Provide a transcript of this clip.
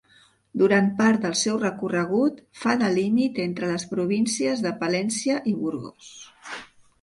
Durant part del seu recorregut fa de límit entre les províncies de Palència i Burgos.